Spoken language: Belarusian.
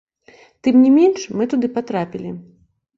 Тым не менш, мы туды патрапілі.